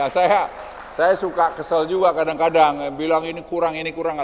saya suka kesel juga kadang kadang bilang ini kurang ini kurang